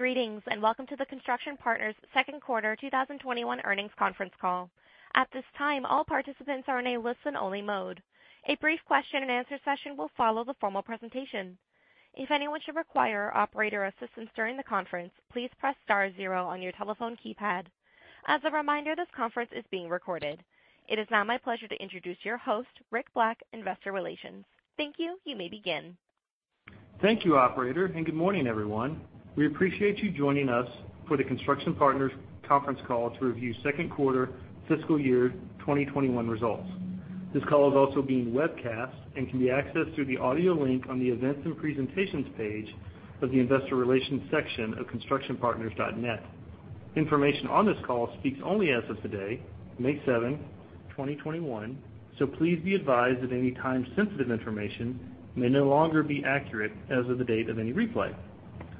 Greetings, and welcome to the Construction Partners' second quarter 2021 earnings conference call. At this time all participants are in a listen-only mode. A brief question-and-answer session will follow the formal presentation. If any of you should require operator's assistance during the conference, please press star zero on your telephone keypad. As a reminder, this conference is being recorded. It is now my pleasure to introduce your host, Rick Black, Investor Relations. Thank you. You may begin. Thank you, operator, and good morning, everyone. We appreciate you joining us for the Construction Partners conference call to review second quarter fiscal year 2021 results. This call is also being webcast and can be accessed through the audio link on the Events and Presentations page of the Investor Relations section of constructionpartners.net. Information on this call speaks only as of today, May 7, 2021, so please be advised that any time-sensitive information may no longer be accurate as of the date of any replay.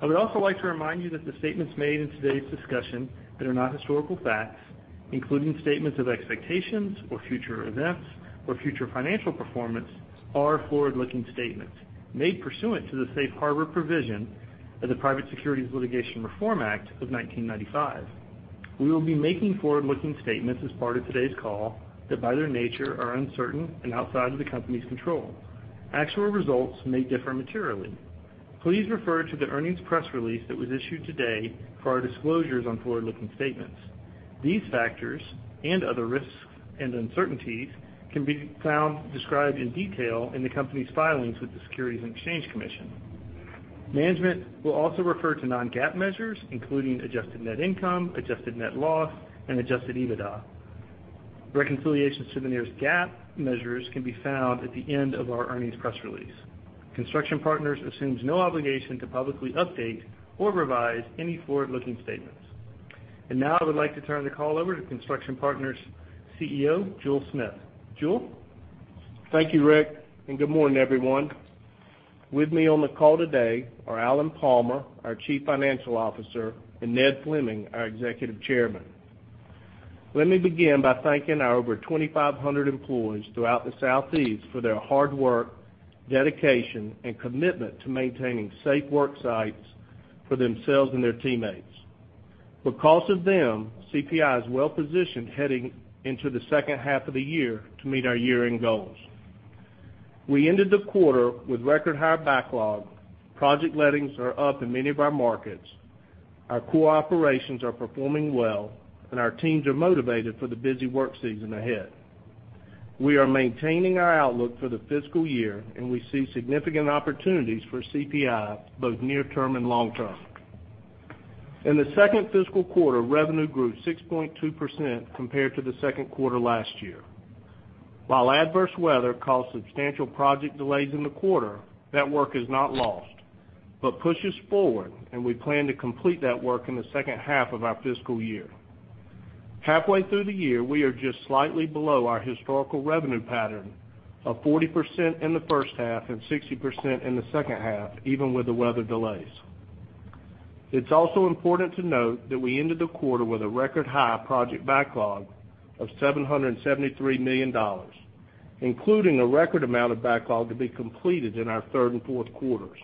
I would also like to remind you that the statements made in today's discussion that are not historical facts, including statements of expectations or future events or future financial performance, are forward-looking statements made pursuant to the safe harbor provision of the Private Securities Litigation Reform Act of 1995. We will be making forward-looking statements as part of today's call that, by their nature, are uncertain and outside of the company's control. Actual results may differ materially. Please refer to the earnings press release that was issued today for our disclosures on forward-looking statements. These factors and other risks and uncertainties can be found described in detail in the company's filings with the Securities and Exchange Commission. Management will also refer to non-GAAP measures, including adjusted net income, adjusted net loss, and adjusted EBITDA. Reconciliations to the nearest GAAP measures can be found at the end of our earnings press release. Construction Partners assumes no obligation to publicly update or revise any forward-looking statements. Now I would like to turn the call over to Construction Partners' CEO, Jule Smith. Jule? Thank you, Rick, and good morning, everyone. With me on the call today are Alan Palmer, our Chief Financial Officer, and Ned Fleming, our Executive Chairman. Let me begin by thanking our over 2,500 employees throughout the Southeast for their hard work, dedication, and commitment to maintaining safe work sites for themselves and their teammates. Because of them, CPI is well-positioned heading into the second half of the year to meet our year-end goals. We ended the quarter with record-high backlog. Project lettings are up in many of our markets. Our core operations are performing well, our teams are motivated for the busy work season ahead. We are maintaining our outlook for the fiscal year, we see significant opportunities for CPI, both near term and long term. In the second fiscal quarter, revenue grew 6.2% compared to the second quarter last year. While adverse weather caused substantial project delays in the quarter, that work is not lost but pushes forward, and we plan to complete that work in the second half of our fiscal year. Halfway through the year, we are just slightly below our historical revenue pattern of 40% in the first half and 60% in the second half, even with the weather delays. It's also important to note that we ended the quarter with a record-high project backlog of $773 million, including a record amount of backlog to be completed in our third and fourth quarters.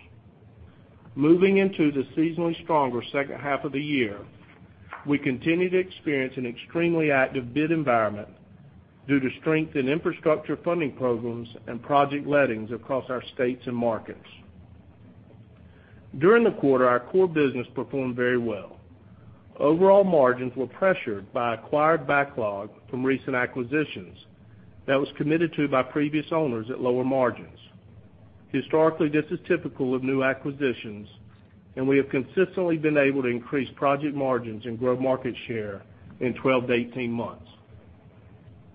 Moving into the seasonally stronger second half of the year, we continue to experience an extremely active bid environment due to strength in infrastructure funding programs and project lettings across our states and markets. During the quarter, our core business performed very well. Overall margins were pressured by acquired backlog from recent acquisitions that was committed to by previous owners at lower margins. Historically, this is typical of new acquisitions, and we have consistently been able to increase project margins and grow market share in 12-18 months.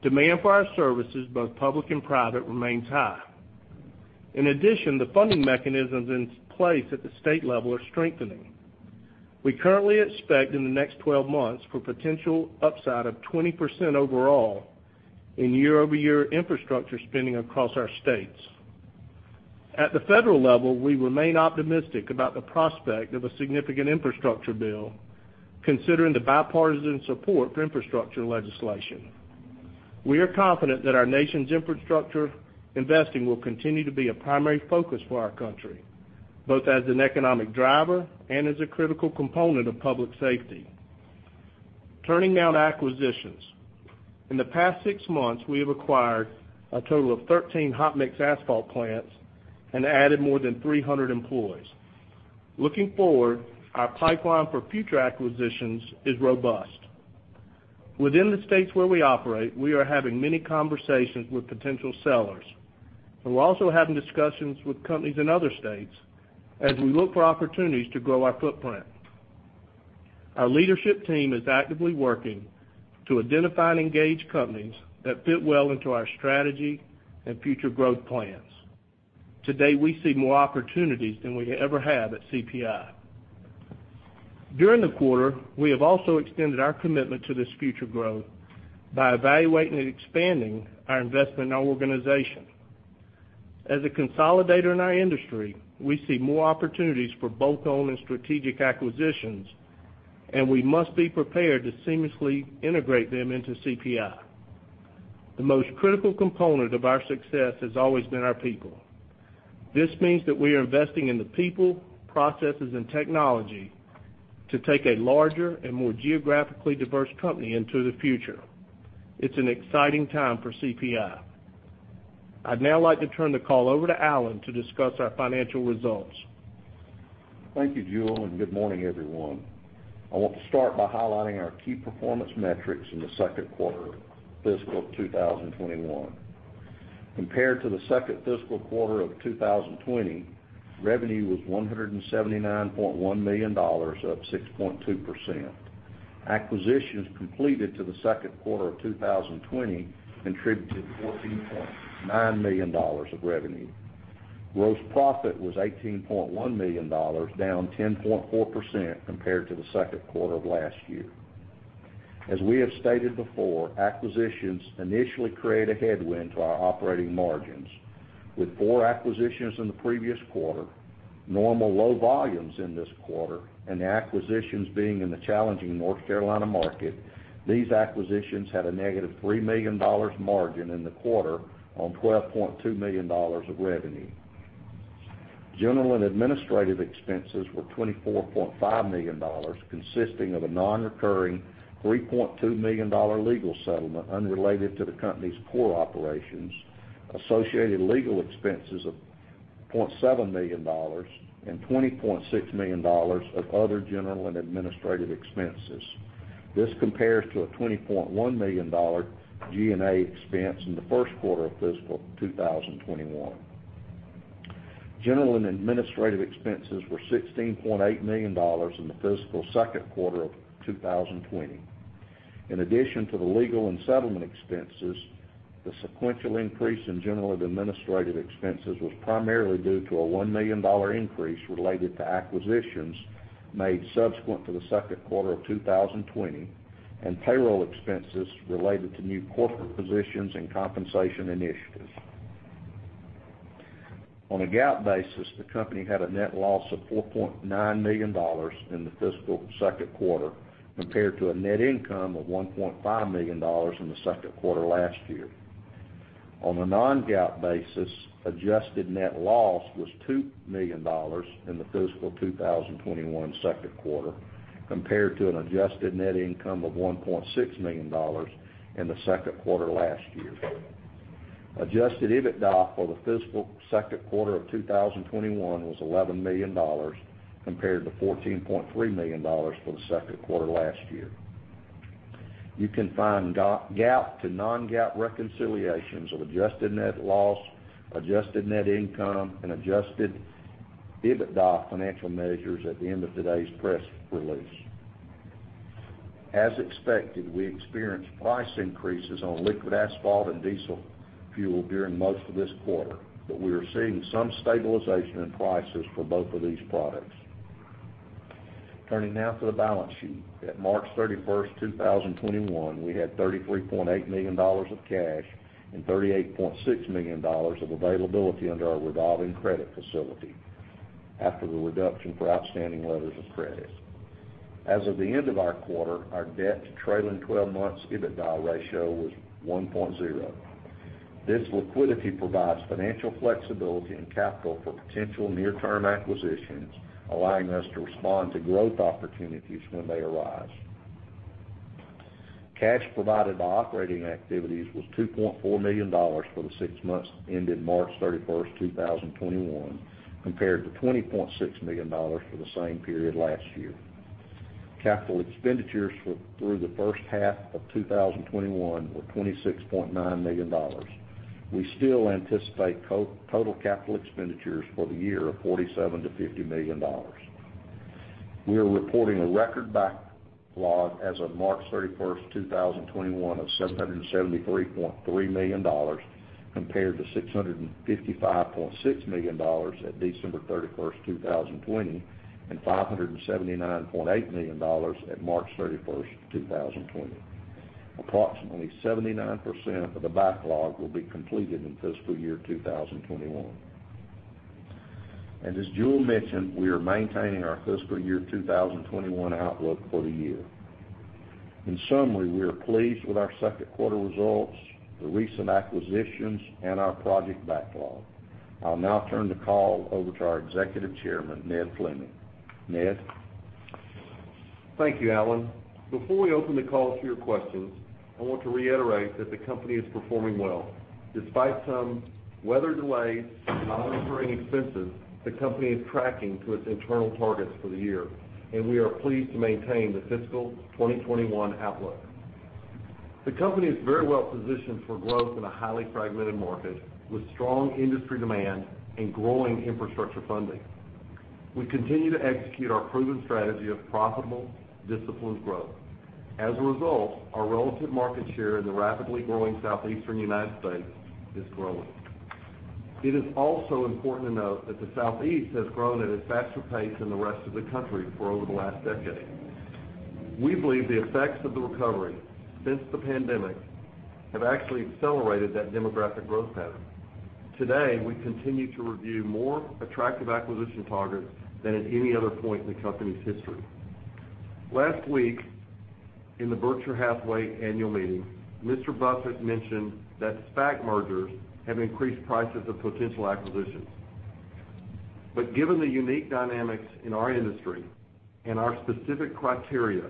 Demand for our services, both public and private, remains high. In addition, the funding mechanisms in place at the state level are strengthening. We currently expect in the next 12 months for potential upside of 20% overall in year-over-year infrastructure spending across our states. At the federal level, we remain optimistic about the prospect of a significant infrastructure bill, considering the bipartisan support for infrastructure legislation. We are confident that our nation's infrastructure investing will continue to be a primary focus for our country, both as an economic driver and as a critical component of public safety. Turning now to acquisitions. In the past six months, we have acquired a total of 13 hot mix asphalt plants and added more than 300 employees. Looking forward, our pipeline for future acquisitions is robust. Within the states where we operate, we are having many conversations with potential sellers, and we're also having discussions with companies in other states as we look for opportunities to grow our footprint. Our leadership team is actively working to identify and engage companies that fit well into our strategy and future growth plans. To date, we see more opportunities than we ever have at CPI. During the quarter, we have also extended our commitment to this future growth by evaluating and expanding our investment in our organization. As a consolidator in our industry, we see more opportunities for bolt-on and strategic acquisitions, and we must be prepared to seamlessly integrate them into CPI. The most critical component of our success has always been our people. This means that we are investing in the people, processes, and technology to take a larger and more geographically diverse company into the future. It's an exciting time for CPI. I'd now like to turn the call over to Alan to discuss our financial results. Thank you, Jule, and good morning, everyone. I want to start by highlighting our key performance metrics in the second quarter of fiscal 2021. Compared to the second fiscal quarter of 2020, revenue was $179.1 million, up 6.2%. Acquisitions completed to the second quarter of 2020 contributed $14.9 million of revenue. Gross profit was $18.1 million, down 10.4% compared to the second quarter of last year. As we have stated before, acquisitions initially create a headwind to our operating margins. With four acquisitions in the previous quarter, normal low volumes in this quarter, and the acquisitions being in the challenging North Carolina market, these acquisitions had a $-3 million margin in the quarter on $12.2 million of revenue. General and administrative expenses were $24.5 million, consisting of a non-recurring $3.2 million legal settlement unrelated to the company's core operations, associated legal expenses of $0.7 million, and $20.6 million of other general and administrative expenses. This compares to a $20.1 million G&A expense in the first quarter of fiscal 2021. General and administrative expenses were $16.8 million in the fiscal second quarter of 2020. In addition to the legal and settlement expenses, the sequential increase in general and administrative expenses was primarily due to a $1 million increase related to acquisitions made subsequent to the second quarter of 2020, and payroll expenses related to new corporate positions and compensation initiatives. On a GAAP basis, the company had a net loss of $4.9 million in the fiscal second quarter, compared to a net income of $1.5 million in the second quarter last year. On a non-GAAP basis, adjusted net loss was $2 million in the fiscal 2021 second quarter, compared to an adjusted net income of $1.6 million in the second quarter last year. Adjusted EBITDA for the fiscal second quarter of 2021 was $11 million, compared to $14.3 million for the second quarter last year. You can find GAAP-to-non-GAAP reconciliations of adjusted net loss, adjusted net income, and adjusted EBITDA financial measures at the end of today's press release. As expected, we experienced price increases on liquid asphalt and diesel fuel during most of this quarter. We are seeing some stabilization in prices for both of these products. Turning now to the balance sheet. At March 31st, 2021, we had $33.8 million of cash and $38.6 million of availability under our revolving credit facility after the reduction for outstanding letters of credit. As of the end of our quarter, our debt-to-trailing 12 months EBITDA ratio was 1.0x. This liquidity provides financial flexibility and capital for potential near-term acquisitions, allowing us to respond to growth opportunities when they arise. Cash provided by operating activities was $2.4 million for the six months ended March 31st, 2021, compared to $20.6 million for the same period last year. Capital expenditures through the first half of 2021 were $26.9 million. We still anticipate total capital expenditures for the year of $47 million-$50 million. We are reporting a record backlog as of March 31st, 2021, of $773.3 million, compared to $655.6 million at December 31st, 2020, and $579.8 million at March 31st, 2020. Approximately 79% of the backlog will be completed in fiscal year 2021. As Jule mentioned, we are maintaining our fiscal year 2021 outlook for the year. In summary, we are pleased with our second quarter results, the recent acquisitions, and our project backlog. I'll now turn the call over to our Executive Chairman, Ned Fleming. Ned? Thank you, Alan. Before we open the call to your questions, I want to reiterate that the company is performing well. Despite some weather delays and non-recurring expenses, the company is tracking to its internal targets for the year, and we are pleased to maintain the fiscal 2021 outlook. The company is very well positioned for growth in a highly fragmented market with strong industry demand and growing infrastructure funding. We continue to execute our proven strategy of profitable, disciplined growth. As a result, our relative market share in the rapidly growing Southeastern United States is growing. It is also important to note that the Southeast has grown at a faster pace than the rest of the country for over the last decade. We believe the effects of the recovery since the pandemic have actually accelerated that demographic growth pattern. Today, we continue to review more attractive acquisition targets than at any other point in the company's history. Last week in the Berkshire Hathaway Annual Meeting, Mr. Buffett mentioned that SPAC mergers have increased prices of potential acquisitions. Given the unique dynamics in our industry and our specific criteria,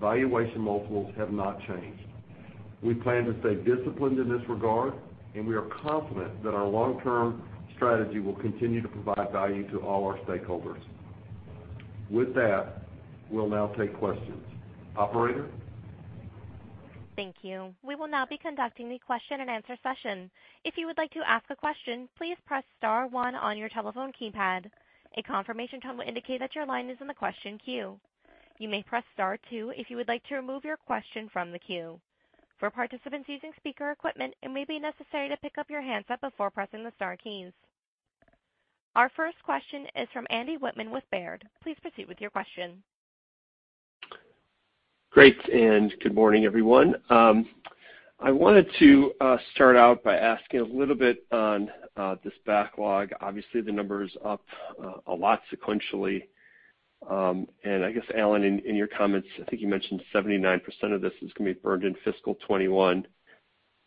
valuation multiples have not changed. We plan to stay disciplined in this regard, and we are confident that our long-term strategy will continue to provide value to all our stakeholders. With that, we'll now take questions. Operator? Thank you. We will now be conducting the question-and-answer session. If you would like to ask a question, please press star one on your telephone keypad. A confirmation code will indicate that your line is in the question queue. You may press star two if you would like to remove your question from the queue. For participants using speaker equipment, it may be necessary to pick up your handset before pressing the star key. Our first question is from Andy Wittmann with Baird. Please proceed with your question. Great, good morning, everyone. I wanted to start out by asking a little bit on this backlog. Obviously, the number is up a lot sequentially. I guess, Alan, in your comments, I think you mentioned 79% of this is going to be burned in fiscal 2021.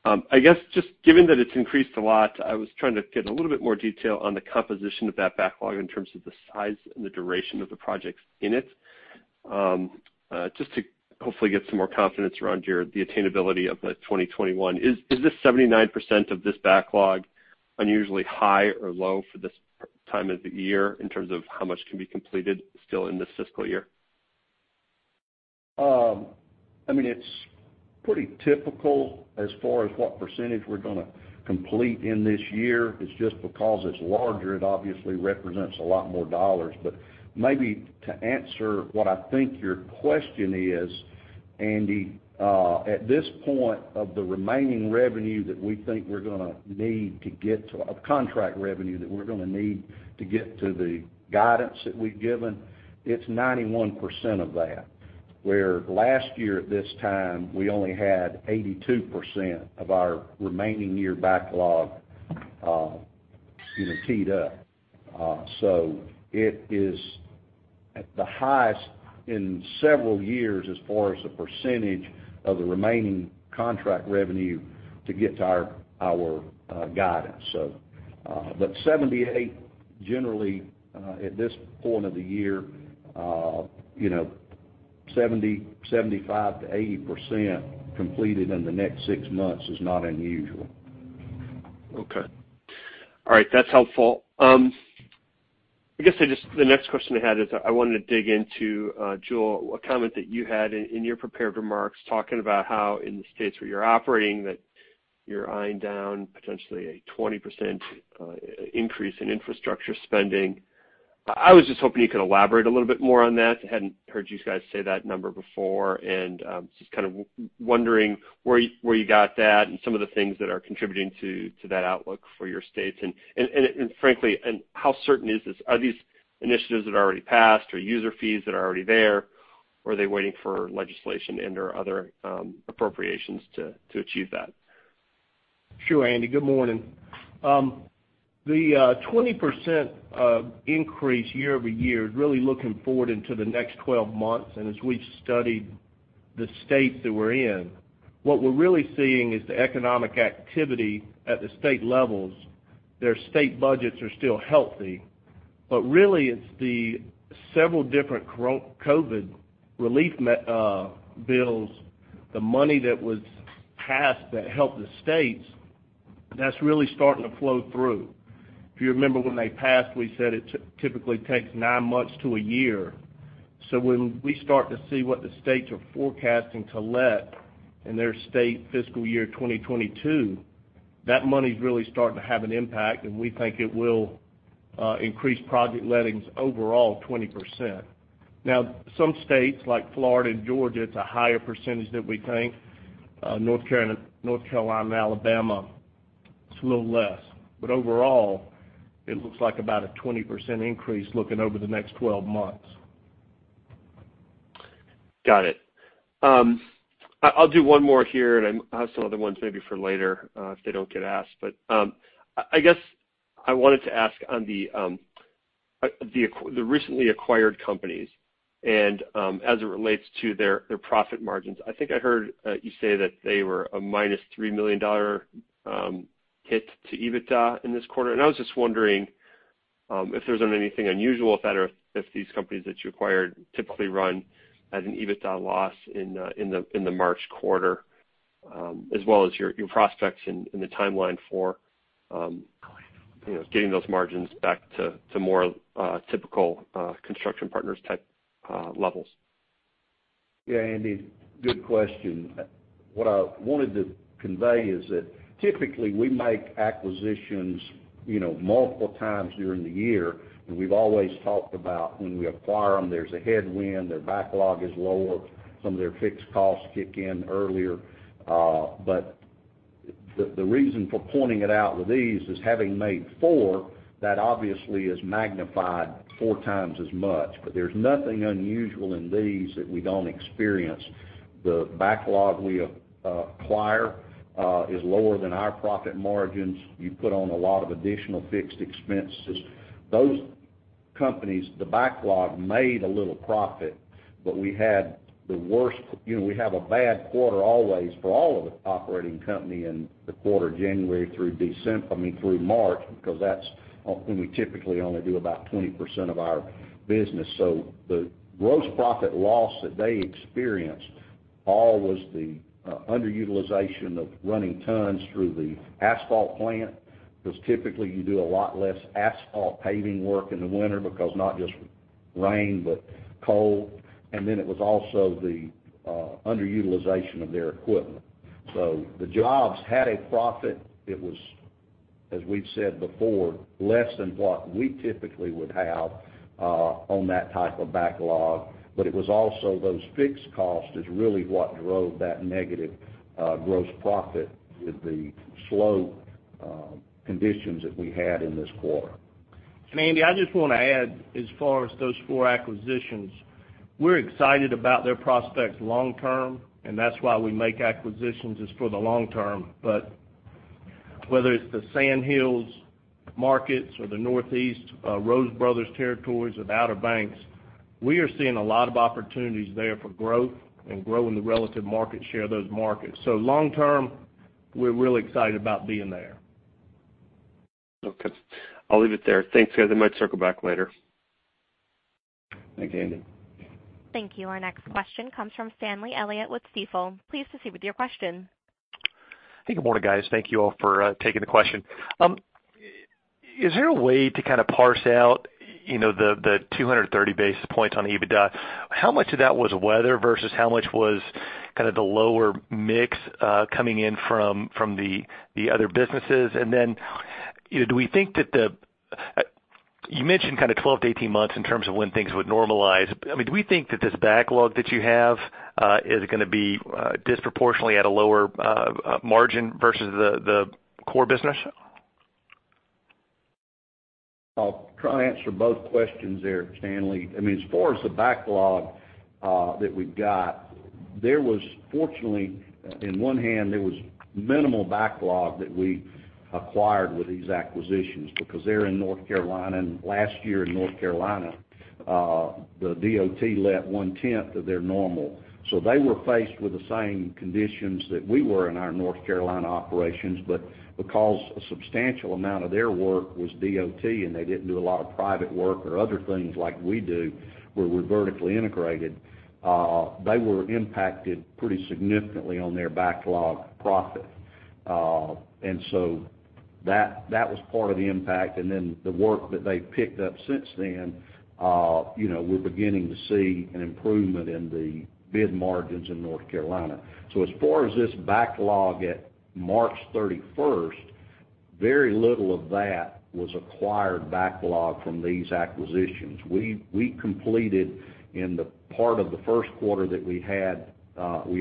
I guess, just given that it's increased a lot, I was trying to get a little bit more detail on the composition of that backlog in terms of the size and the duration of the projects in it. Just to hopefully get some more confidence around the attainability of the 2021. Is this 79% of this backlog unusually high or low for this time of the year in terms of how much can be completed still in this fiscal year? It's pretty typical as far as what percentage we're going to complete in this year. It's just because it's larger, it obviously represents a lot more dollars. Maybe to answer what I think your question is, Andy, at this point of the remaining revenue that we think we're going to need to get to, contract revenue that we're going to need to get to the guidance that we've given, it's 91% of that, where last year at this time, we only had 82% of our remaining year backlog teed up. It is at the highest in several years as far as the percentage of the remaining contract revenue to get to our guidance. 78%, generally, at this point of the year, 70%, 75%-80% completed in the next six months is not unusual. Okay. All right. That's helpful. I guess, the next question I had is I wanted to dig into, Jule, a comment that you had in your prepared remarks, talking about how in the states where you're operating, that you're eyeing down potentially a 20% increase in infrastructure spending. I was just hoping you could elaborate a little bit more on that. Hadn't heard you guys say that number before, and just kind of wondering where you got that and some of the things that are contributing to that outlook for your states. Frankly, how certain is this? Are these initiatives that are already passed or user fees that are already there, or are they waiting for legislation and/or other appropriations to achieve that? Sure, Andy. Good morning. The 20% increase year-over-year is really looking forward into the next 12 months. As we've studied the states that we're in, what we're really seeing is the economic activity at the state levels. Their state budgets are still healthy. Really, it's the several different COVID relief bills, the money that was passed that helped the states, that's really starting to flow through. If you remember when they passed, we said it typically takes nine months to a year. When we start to see what the states are forecasting to let in their state fiscal year 2022, that money's really starting to have an impact, and we think it will increase project lettings overall 20%. Now, some states like Florida and Georgia, it's a higher percentage that we think. North Carolina and Alabama, it's a little less. Overall, it looks like about a 20% increase looking over the next 12 months. Got it. I'll do one more here, and I have some other ones maybe for later, if they don't get asked. I guess I wanted to ask on the recently acquired companies and, as it relates to their profit margins. I think I heard you say that they were a $-3 million hit to EBITDA in this quarter. I was just wondering if there's anything unusual with that or if these companies that you acquired typically run at an EBITDA loss in the March quarter, as well as your prospects and the timeline for getting those margins back to more typical Construction Partners type levels. Yeah, Andy, good question. What I wanted to convey is that typically we make acquisitions multiple times during the year, we've always talked about when we acquire them, there's a headwind, their backlog is lower, some of their fixed costs kick in earlier. The reason for pointing it out with these is having made four, that obviously is magnified four times as much. There's nothing unusual in these that we don't experience. The backlog we acquire is lower than our profit margins. You put on a lot of additional fixed expenses. Those companies, the backlog made a little profit, but we had the worst. We have a bad quarter always for all of the operating company in the quarter, January through March, because that's when we typically only do about 20% of our business. The gross profit loss that they experienced all was the underutilization of running tons through the asphalt plant, because typically you do a lot less asphalt paving work in the winter because not just rain, but cold. It was also the underutilization of their equipment. The jobs had a profit. It was, as we've said before, less than what we typically would have on that type of backlog. It was also those fixed costs is really what drove that negative gross profit with the slow conditions that we had in this quarter. Andy, I just want to add, as far as those four acquisitions, we're excited about their prospects long term, and that's why we make acquisitions, is for the long term. Whether it's the Sandhills markets or the Northeast, Rose Brothers territories, or the Outer Banks, we are seeing a lot of opportunities there for growth and growing the relative market share of those markets. Long term, we're really excited about being there. Okay, I'll leave it there. Thanks, guys. I might circle back later. Thanks, Andy. Thank you. Our next question comes from Stanley Elliott with Stifel. Please proceed with your question. Hey, good morning, guys. Thank you all for taking the question. Is there a way to parse out the 230 basis points on EBITDA? How much of that was weather versus how much was the lower mix coming in from the other businesses? You mentioned 12-18 months in terms of when things would normalize. Do we think that this backlog that you have is going to be disproportionately at a lower margin versus the core business? I'll try and answer both questions there, Stanley. As far as the backlog that we've got, fortunately, in one hand, there was minimal backlog that we acquired with these acquisitions because they're in North Carolina. Last year in North Carolina, the DOT let 1/10 of their normal. They were faced with the same conditions that we were in our North Carolina operations. Because a substantial amount of their work was DOT, and they didn't do a lot of private work or other things like we do where we're vertically integrated, they were impacted pretty significantly on their backlog profit. That was part of the impact. The work that they've picked up since then, we're beginning to see an improvement in the bid margins in North Carolina. As far as this backlog at March 31st, very little of that was acquired backlog from these acquisitions. We completed in the part of the first quarter that we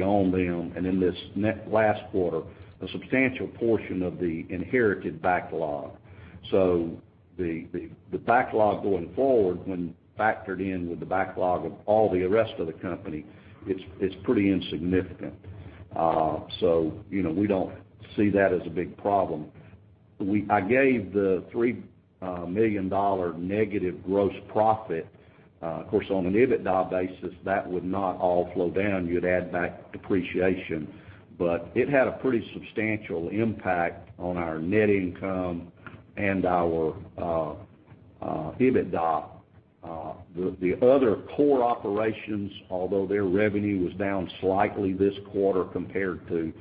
owned them, and in this last quarter, a substantial portion of the inherited backlog. The backlog going forward, when factored in with the backlog of all the rest of the company, it's pretty insignificant. We don't see that as a big problem. I gave the $-3 million gross profit. Of course, on an EBITDA basis, that would not all flow down. You'd add back depreciation. It had a pretty substantial impact on our net income and our EBITDA. The other core operations, although their revenue was down slightly this quarter compared to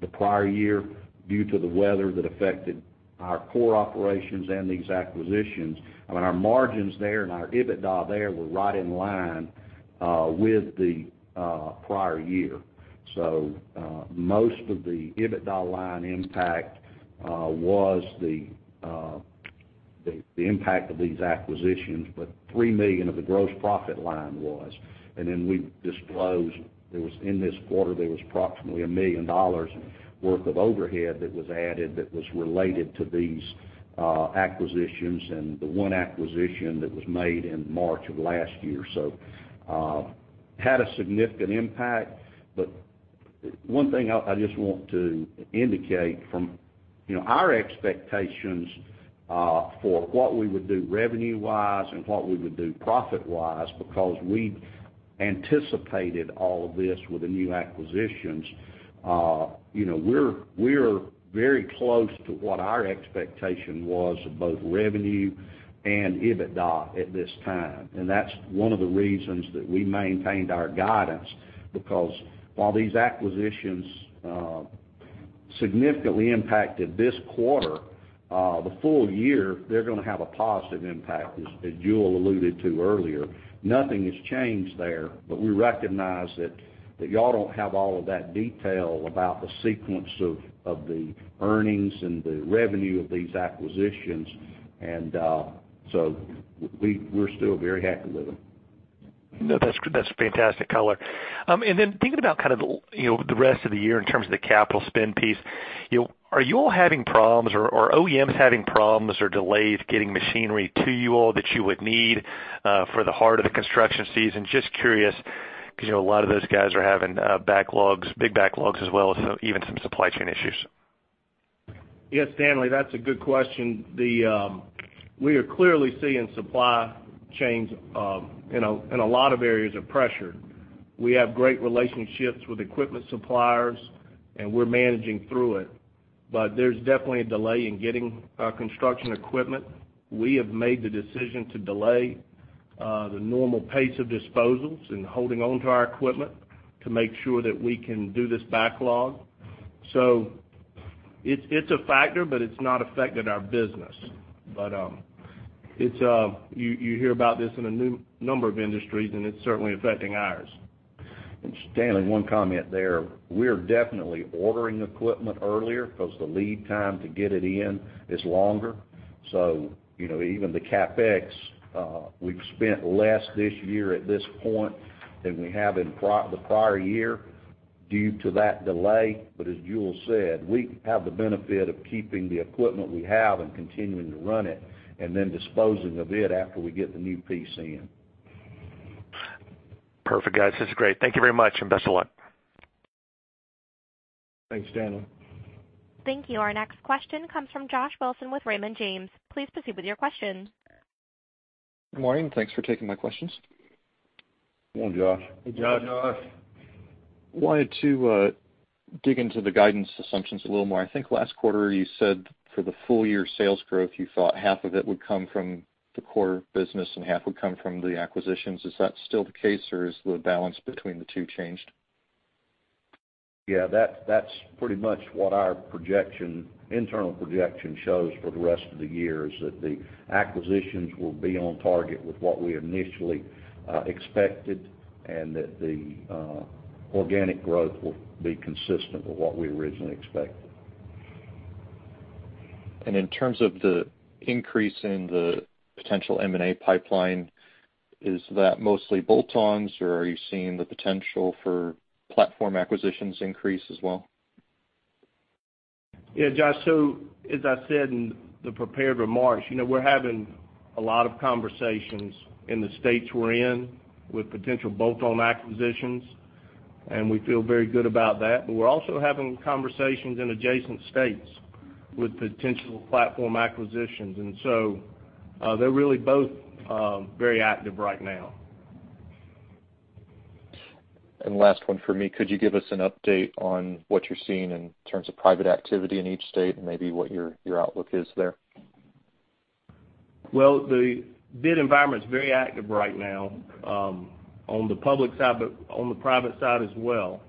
the prior year due to the weather that affected our core operations and these acquisitions. Our margins there and our EBITDA there were right in line with the prior year. Most of the EBITDA line impact was the impact of these acquisitions, but $3 million of the gross profit line was. We disclosed in this quarter, there was approximately $1 million worth of overhead that was added that was related to these acquisitions and the one acquisition that was made in March of last year. Had a significant impact. One thing I just want to indicate from our expectations for what we would do revenue wise and what we would do profit wise, because we anticipated all of this with the new acquisitions. We're very close to what our expectation was of both revenue and EBITDA at this time. That's one of the reasons that we maintained our guidance, because while these acquisitions significantly impacted this quarter, the full year, they're going to have a positive impact, as Jule alluded to earlier. Nothing has changed there. We recognize that y'all don't have all of that detail about the sequence of the earnings and the revenue of these acquisitions. We're still very happy with them. No, that's fantastic color. Thinking about the rest of the year in terms of the capital spend piece, are you all having problems or are OEMs having problems or delays getting machinery to you all that you would need for the heart of the construction season? Just curious, because a lot of those guys are having big backlogs as well as even some supply chain issues. Yes, Stanley, that's a good question. We are clearly seeing supply chains in a lot of areas of pressure. We have great relationships with equipment suppliers, and we're managing through it. There's definitely a delay in getting our construction equipment. We have made the decision to delay the normal pace of disposals and holding on to our equipment to make sure that we can do this backlog. It's a factor, but it's not affected our business. You hear about this in a number of industries, and it's certainly affecting ours. Stanley, one comment there. We're definitely ordering equipment earlier because the lead time to get it in is longer. Even the CapEx, we've spent less this year at this point than we have in the prior year due to that delay. As Jule said, we have the benefit of keeping the equipment we have and continuing to run it, and then disposing of it after we get the new piece in. Perfect, guys. That's great. Thank you very much, and best of luck. Thanks, Stanley. Thank you. Our next question comes from Josh Wilson with Raymond James. Please proceed with your question. Good morning, thanks for taking my questions. Good morning, Josh. Hey, Josh. Wanted to dig into the guidance assumptions a little more. I think last quarter you said for the full-year sales growth, you thought half of it would come from the core business and half would come from the acquisitions. Is that still the case, or has the balance between the two changed? Yeah, that's pretty much what our internal projection shows for the rest of the year is that the acquisitions will be on target with what we initially expected and that the organic growth will be consistent with what we originally expected. In terms of the increase in the potential M&A pipeline, is that mostly bolt-ons, or are you seeing the potential for platform acquisitions increase as well? Yeah, Josh. As I said in the prepared remarks, we're having a lot of conversations in the states we're in with potential bolt-on acquisitions, and we feel very good about that. We're also having conversations in adjacent states with potential platform acquisitions. They're really both very active right now. Last one from me, could you give us an update on what you're seeing in terms of private activity in each state and maybe what your outlook is there? Well, the bid environment is very active right now on the public side, but on the private side as well.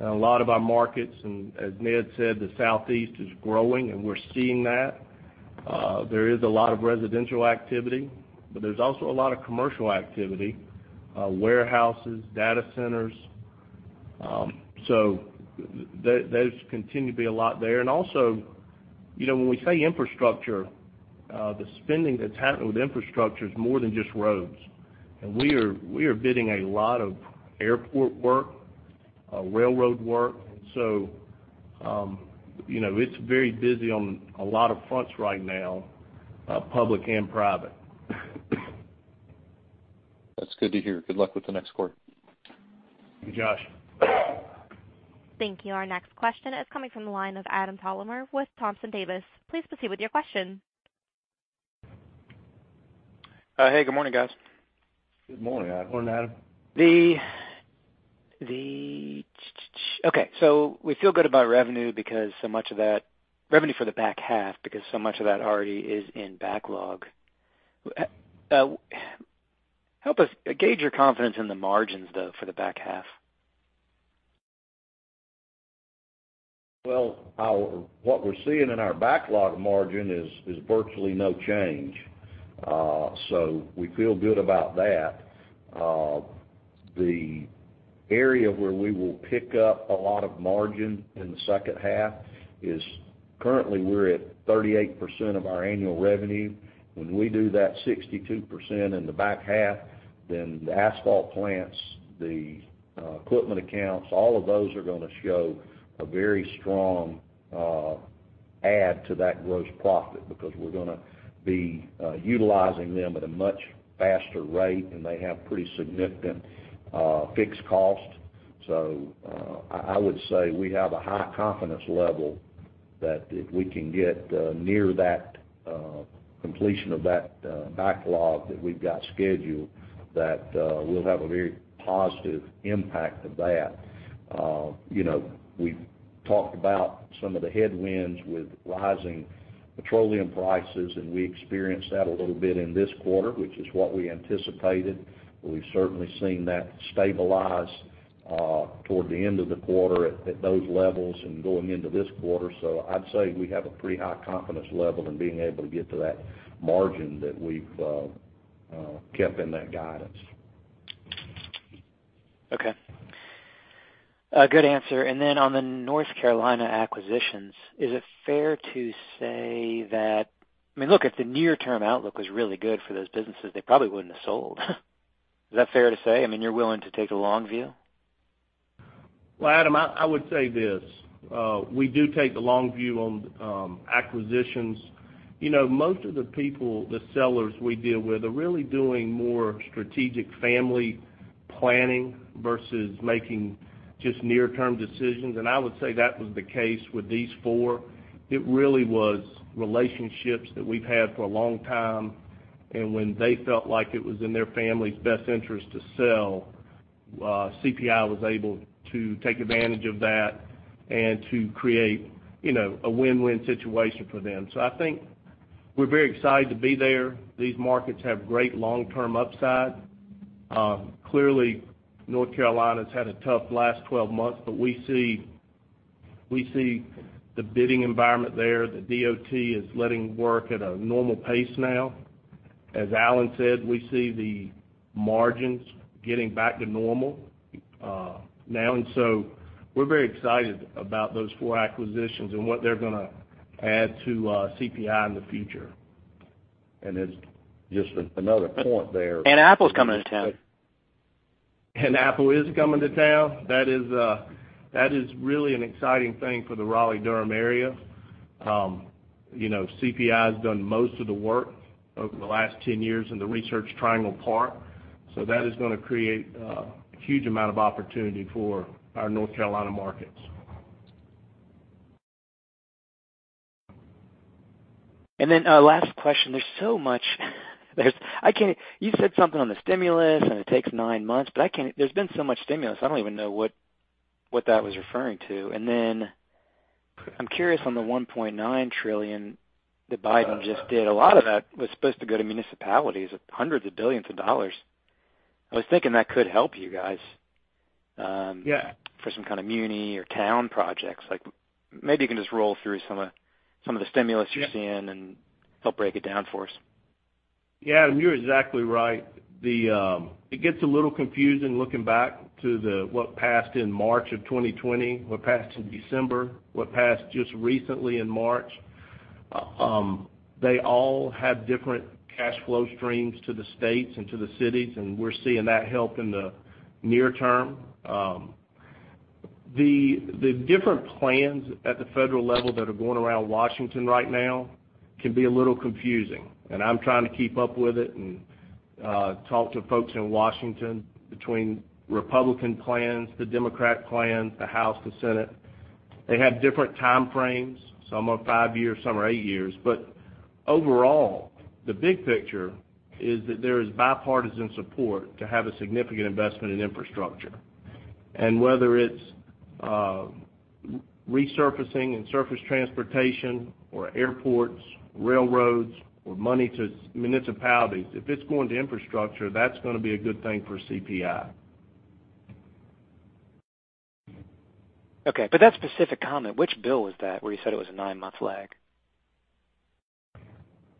In a lot of our markets, as Ned said, the Southeast is growing and we're seeing that. There is a lot of residential activity. There's also a lot of commercial activity, warehouses, data centers. Those continue to be a lot there. Also, when we say infrastructure, the spending that's happening with infrastructure is more than just roads. We are bidding a lot of airport work, railroad work. It's very busy on a lot of fronts right now, public and private. That's good to hear. Good luck with the next quarter. Thank you, Josh. Thank you. Our next question is coming from the line of Adam Thalhimer with Thompson Davis. Please proceed with your question. Hey, good morning, guys. Good morning, Adam. Morning, Adam. Okay. We feel good about revenue for the back half because so much of that already is in backlog. Help us gauge your confidence in the margins, though, for the back half? Well, what we're seeing in our backlog margin is virtually no change. We feel good about that. The area where we will pick up a lot of margin in the second half is currently we're at 38% of our annual revenue. When we do that 62% in the back half, the asphalt plants, the equipment accounts, all of those are going to show a very strong add to that gross profit because we're going to be utilizing them at a much faster rate, and they have pretty significant fixed costs. I would say we have a high confidence level that if we can get near that completion of that backlog that we've got scheduled, that we'll have a very positive impact of that. We've talked about some of the headwinds with rising petroleum prices, and we experienced that a little bit in this quarter, which is what we anticipated. We've certainly seen that stabilize toward the end of the quarter at those levels and going into this quarter. I'd say we have a pretty high confidence level in being able to get to that margin that we've kept in that guidance. Okay. Good answer. Then on the North Carolina acquisitions, is it fair to say, I mean, look, if the near-term outlook was really good for those businesses, they probably wouldn't have sold. Is that fair to say? I mean, you're willing to take the long view? Well, Adam, I would say this. We do take the long view on acquisitions. Most of the people, the sellers we deal with are really doing more strategic family planning versus making just near-term decisions. I would say that was the case with these four. It really was relationships that we've had for a long time, and when they felt like it was in their family's best interest to sell, CPI was able to take advantage of that and to create a win-win situation for them. I think we're very excited to be there. These markets have great long-term upside. Clearly, North Carolina's had a tough last 12 months, we see the bidding environment there. The DOT is letting work at a normal pace now. As Alan said, we see the margins getting back to normal now. We're very excited about those four acquisitions and what they're going to add to CPI in the future. It's just another point there. Apple's coming to town. Apple is coming to town. That is really an exciting thing for the Raleigh-Durham area. CPI's done most of the work over the last 10 years in the Research Triangle Park. That is going to create a huge amount of opportunity for our North Carolina markets. Last question. There's so much You said something on the stimulus, and it takes nine months, but there's been so much stimulus, I don't even know what that was referring to. I'm curious on the $1.9 trillion that Biden just did. A lot of that was supposed to go to municipalities, hundreds of billions of dollars. I was thinking that could help you guys- Yeah ...for some kind of muni or town projects. Maybe you can just roll through some of the stimulus you're seeing and help break it down for us. Yeah, you're exactly right. It gets a little confusing looking back to what passed in March of 2020, what passed in December, what passed just recently in March. They all had different cash flow streams to the states and to the cities, and we're seeing that help in the near term. The different plans at the federal level that are going around Washington right now can be a little confusing, and I'm trying to keep up with it and talk to folks in Washington between Republican plans, the Democrat plans, the House, the Senate. They have different time frames. Some are five years, some are eight years. Overall, the big picture is that there is bipartisan support to have a significant investment in infrastructure. Whether it's resurfacing and surface transportation or airports, railroads, or money to municipalities, if it's going to infrastructure, that's going to be a good thing for CPI. Okay. That specific comment, which bill was that where you said it was a nine-month lag?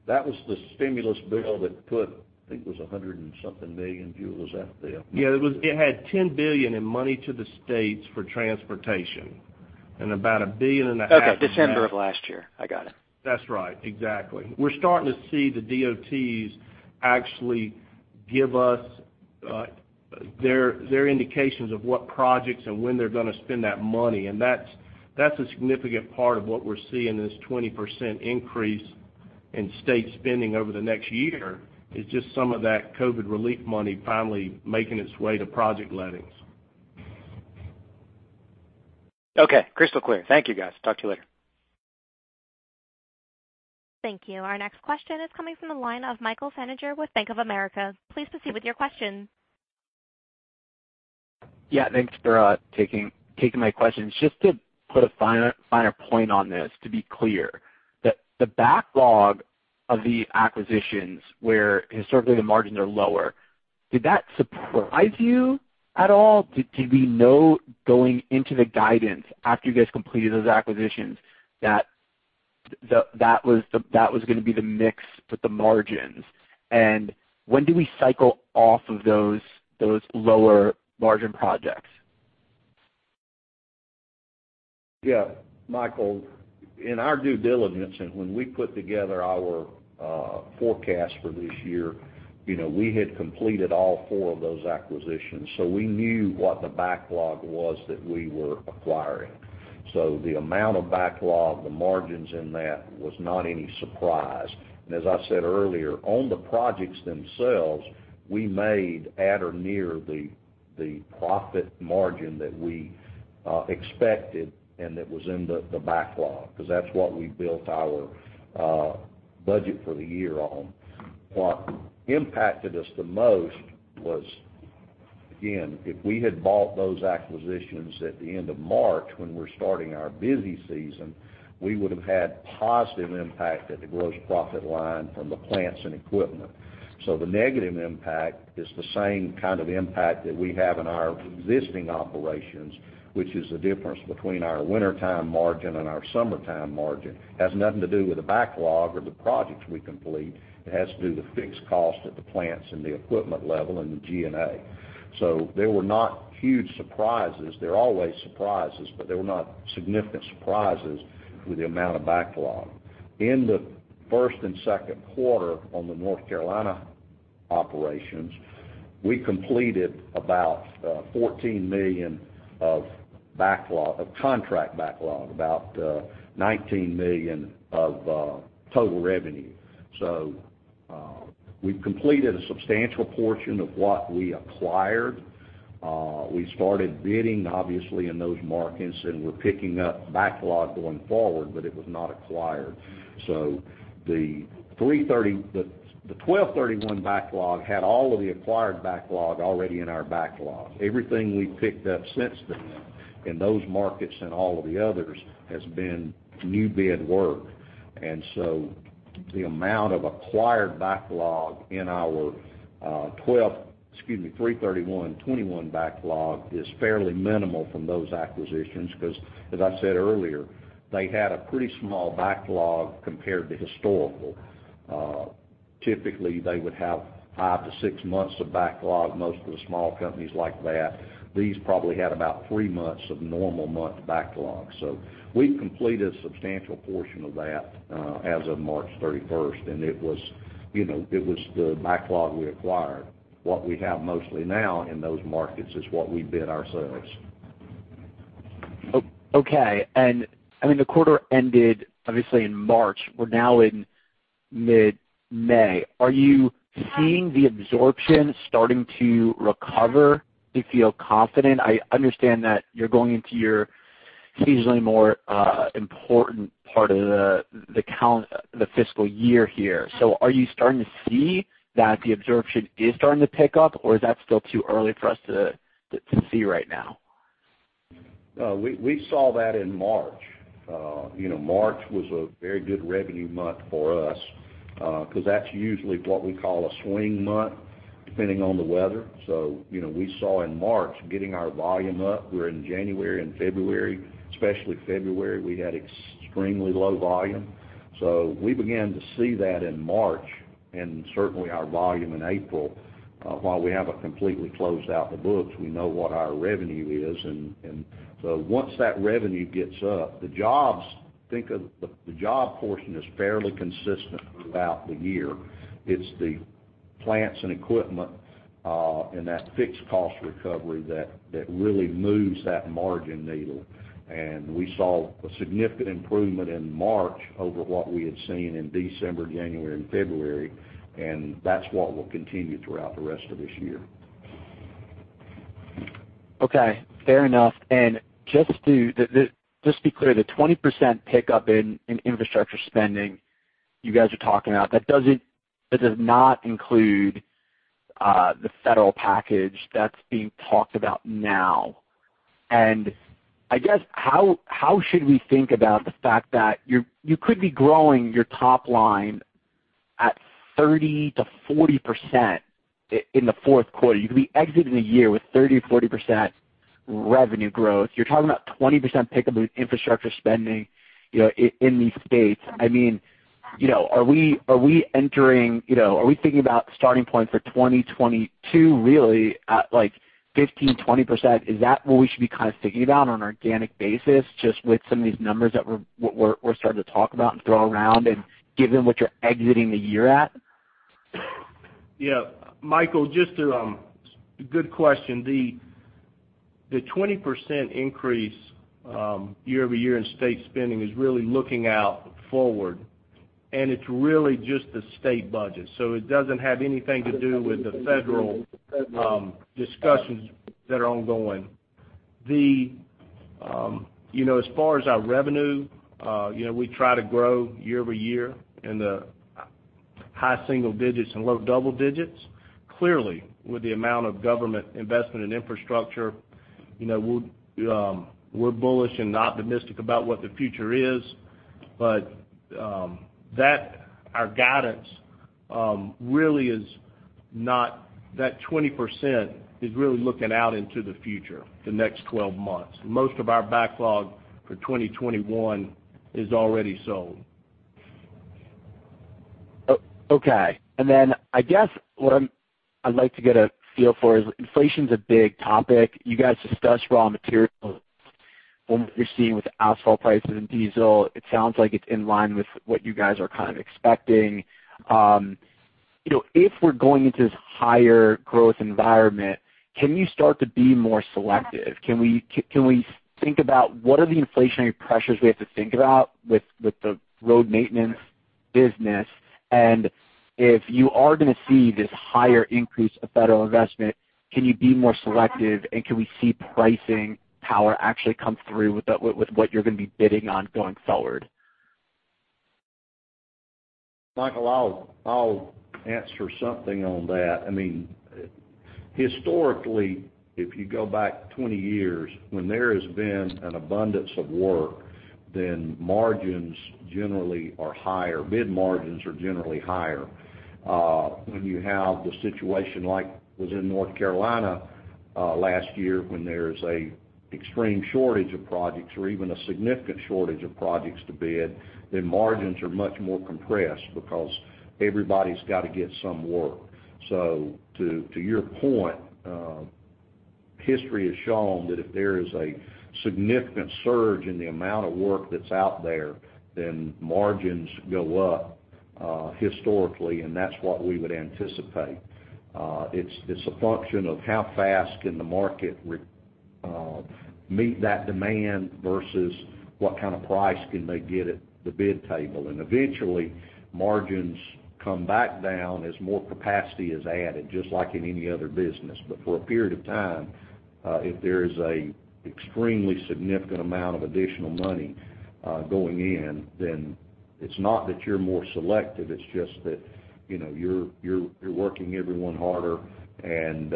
That was the stimulus bill that put, I think it was 100 and something million dollars out there. Yeah. It had $10 billion in money to the states for transportation and about $1.5 billion- December of last year. I got it. That's right, exactly. We're starting to see the DOTs actually give us their indications of what projects and when they're going to spend that money. That's a significant part of what we're seeing in this 20% increase in state spending over the next year, is just some of that COVID relief money finally making its way to project lettings. Okay, crystal clear. Thank you, guys. Talk to you later. Thank you. Our next question is coming from the line of Michael Feniger with Bank of America. Please proceed with your question. Yeah, thanks for taking my question. Just to put a finer point on this to be clear, the backlog of the acquisitions where historically the margins are lower, did that surprise you at all? Did we know going into the guidance after you guys completed those acquisitions that was going to be the mix with the margins? When do we cycle off of those lower margin projects? Michael, in our due diligence and when we put together our forecast for this year, we had completed all four of those acquisitions, so we knew what the backlog was that we were acquiring. The amount of backlog, the margins in that was not any surprise. As I said earlier, on the projects themselves, we made at or near the profit margin that we expected and that was in the backlog because that's what we built our budget for the year on. What impacted us the most was, again, if we had bought those acquisitions at the end of March when we're starting our busy season, we would have had positive impact at the gross profit line from the plants and equipment. The negative impact is the same kind of impact that we have in our existing operations, which is the difference between our wintertime margin and our summertime margin. It has nothing to do with the backlog or the projects we complete. It has to do with the fixed cost at the plants and the equipment level and the G&A. They were not huge surprises. They're always surprises, but they were not significant surprises with the amount of backlog. In the first and second quarter on the North Carolina operations, we completed about $14 million of backlog of contract backlog, about $19 million of total revenue. We've completed a substantial portion of what we acquired. We started bidding obviously in those markets, and we're picking up backlog going forward, but it was not acquired. The 12/31 backlog had all of the acquired backlog already in our backlog. Everything we've picked up since then in those markets and all of the others has been new bid work. The amount of acquired backlog in our 3/31, 2021 backlog is fairly minimal from those acquisitions because as I said earlier, they had a pretty small backlog compared to historical. Typically, they would have five to six months of backlog, most of the small companies like that. These probably had about three months of normal month backlog. We've completed a substantial portion of that as of March 31st, and it was the backlog we acquired. What we have mostly now in those markets is what we bid ourselves. Okay. I mean, the quarter ended obviously in March. We're now in mid-May. Are you seeing the absorption starting to recover? Do you feel confident? I understand that you're going into your seasonally more important part of the fiscal year here. Are you starting to see that the absorption is starting to pick up, or is that still too early for us to see right now? No, we saw that in March. March was a very good revenue month for us, because that's usually what we call a swing month, depending on the weather. We saw in March getting our volume up, where in January and February, especially February, we had extremely low volume. We began to see that in March, and certainly our volume in April. While we haven't completely closed out the books, we know what our revenue is. Once that revenue gets up, think of the job portion is fairly consistent throughout the year. It's the plants and equipment, and that fixed cost recovery that really moves that margin needle. We saw a significant improvement in March over what we had seen in December, January, and February, and that's what will continue throughout the rest of this year. Okay, fair enough. Just to be clear, the 20% pickup in infrastructure spending you guys are talking about, that does not include the federal package that's being talked about now. I guess how should we think about the fact that you could be growing your top line at 30%-40% in the fourth quarter? You could be exiting the year with 30% or 40% revenue growth. You're talking about 20% pickup in infrastructure spending in these states. Are we thinking about starting point for 2022 really at like 15%-20%? Is that what we should be kind of thinking about on an organic basis, just with some of these numbers that we're starting to talk about and throw around and given what you're exiting the year at? Michael, good question. The 20% increase year-over-year in state spending is really looking out forward, and it's really just the state budget. It doesn't have anything to do with the federal discussions that are ongoing. As far as our revenue, we try to grow year-over-year in the high single digits and low double digits. Clearly, with the amount of government investment in infrastructure, we're bullish and optimistic about what the future is. Our guidance really is not. That 20% is really looking out into the future, the next 12 months. Most of our backlog for 2021 is already sold. Okay. Then I guess what I'd like to get a feel for is inflation's a big topic. You guys discussed raw material from what you're seeing with asphalt prices and diesel. It sounds like it's in line with what you guys are kind of expecting. If we're going into this higher growth environment, can you start to be more selective? Can we think about what are the inflationary pressures we have to think about with the road maintenance business? If you are going to see this higher increase of federal investment, can you be more selective, and can we see pricing power actually come through with what you're going to be bidding on going forward? Michael, I'll answer something on that. Historically, if you go back 20 years, when there has been an abundance of work, then margins generally are higher. Bid margins are generally higher. When you have the situation like was in North Carolina last year when there is an extreme shortage of projects or even a significant shortage of projects to bid, then margins are much more compressed because everybody's got to get some work. So to your point, history has shown that if there is a significant surge in the amount of work that's out there, then margins go up. Historically, that's what we would anticipate. It's a function of how fast can the market meet that demand versus what kind of price can they get at the bid table. Eventually, margins come back down as more capacity is added, just like in any other business. For a period of time, if there is an extremely significant amount of additional money going in, it's not that you're more selective, it's just that you're working everyone harder and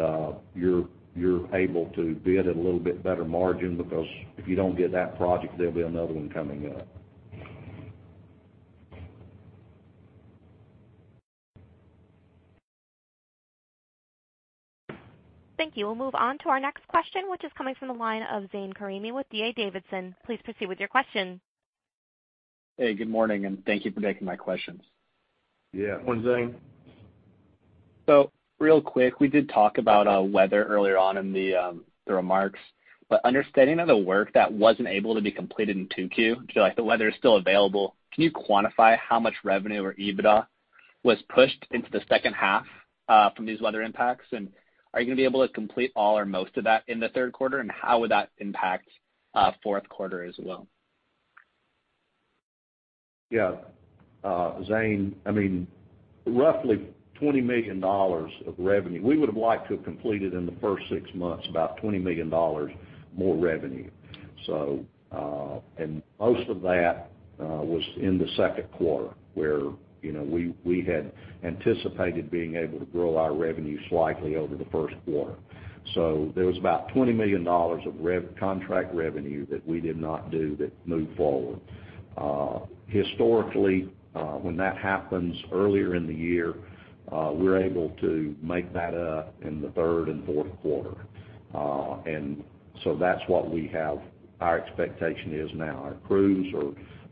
you're able to bid at a little bit better margin because if you don't get that project, there'll be another one coming up. Thank you. We'll move on to our next question, which is coming from the line of Zane Karimi with D.A. Davidson. Please proceed with your question. Hey, good morning, and thank you for taking my questions. Yeah. Good morning, Zane. Real quick, we did talk about weather earlier on in the remarks. Understanding that the work that wasn't able to be completed in Q2, because the weather is still available, can you quantify how much revenue or EBITDA was pushed into the second half from these weather impacts? Are you going to be able to complete all or most of that in the third quarter, and how would that impact fourth quarter as well? Yeah. Zane, roughly $20 million of revenue. We would've liked to have completed in the first six months about $20 million more revenue. Most of that was in the second quarter, where we had anticipated being able to grow our revenue slightly over the first quarter. There was about $20 million of contract revenue that we did not do that moved forward. Historically, when that happens earlier in the year, we're able to make that up in the third and fourth quarter. That's what our expectation is now. Our crews,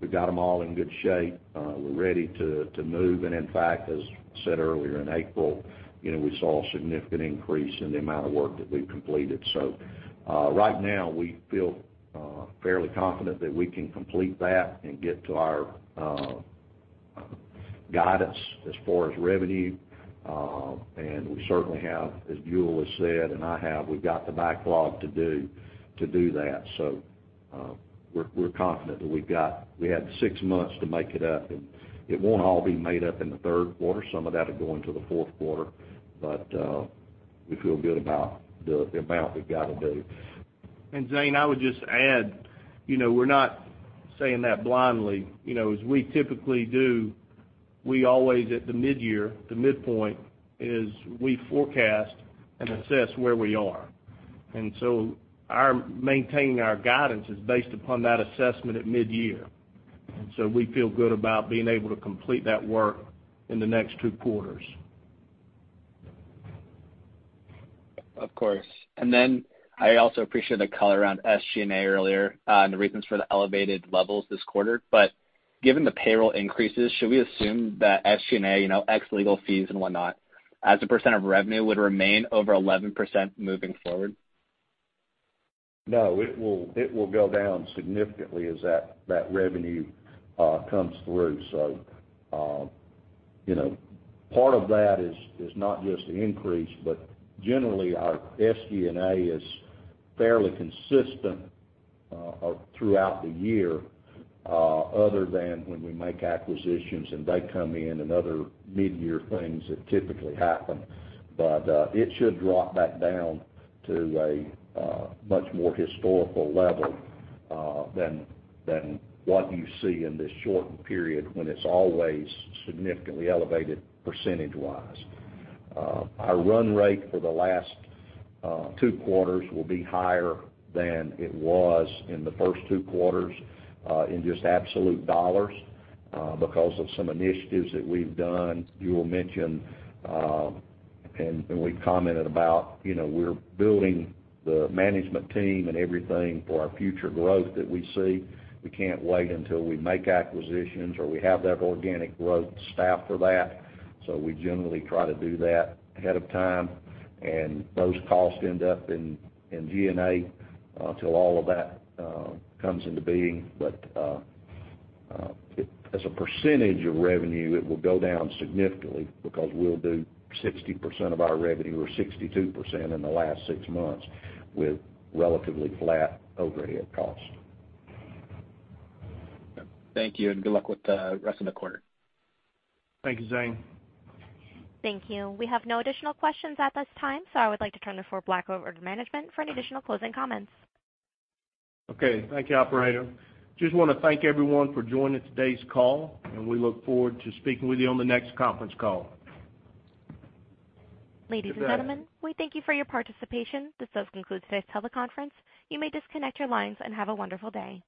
we've got them all in good shape. We're ready to move. In fact, as said earlier, in April, we saw a significant increase in the amount of work that we've completed. Right now we feel fairly confident that we can complete that and get to our guidance as far as revenue. We certainly have, as Jule has said, and I have, we've got the backlog to do that. We're confident that we have six months to make it up, and it won't all be made up in the third quarter. Some of that will go into the fourth quarter, we feel good about the amount we've got to do. Zane, I would just add, we're not saying that blindly. As we typically do, we always at the mid-year, the midpoint is we forecast and assess where we are. Maintaining our guidance is based upon that assessment at mid-year. We feel good about being able to complete that work in the next two quarters. Of course. I also appreciate the color around SG&A earlier, and the reasons for the elevated levels this quarter. Given the payroll increases, should we assume that SG&A, ex-legal fees and whatnot, as a percent of revenue would remain over 11% moving forward? No, it will go down significantly as that revenue comes through. Part of that is not just the increase, but generally our SG&A is fairly consistent throughout the year, other than when we make acquisitions and they come in, and other mid-year things that typically happen. It should drop back down to a much more historical level, than what you see in this shortened period when it's always significantly elevated percentage-wise. Our run rate for the last two quarters will be higher than it was in the first two quarters, in just absolute dollars, because of some initiatives that we've done. Jule mentioned, and we commented about, we're building the management team and everything for our future growth that we see. We can't wait until we make acquisitions or we have that organic growth staffed for that. We generally try to do that ahead of time. Those costs end up in G&A until all of that comes into being. As a percentage of revenue, it will go down significantly because we'll do 60% of our revenue or 62% in the last six months with relatively flat overhead cost. Thank you, and good luck with the rest of the quarter. Thank you, Zane. Thank you. We have no additional questions at this time, so I would like to turn the floor back over to management for any additional closing comments. Okay. Thank you, operator. Just want to thank everyone for joining today's call, and we look forward to speaking with you on the next conference call. Ladies and gentlemen- Good day. ...We thank you for your participation. This does conclude today's teleconference. You may disconnect your lines, and have a wonderful day.